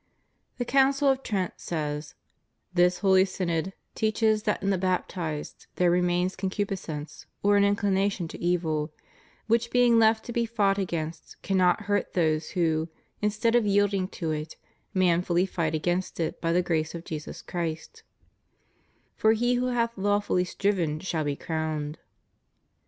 The Council of Trent says: "This holy synod teaches that in the baptized there remains concupiscence or an inclination to evil, which, being left to be fought against, cannot hurt those who, instead of yielding to it, manfully fight against it by the grace of Jesus Christ; for he who hath lawfully striven shall be crowned."